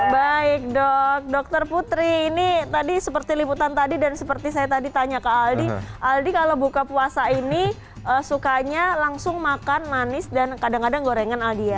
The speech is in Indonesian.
baik dok dokter putri ini tadi seperti liputan tadi dan seperti saya tadi tanya ke aldi aldi kalau buka puasa ini sukanya langsung makan manis dan kadang kadang gorengan aldi ya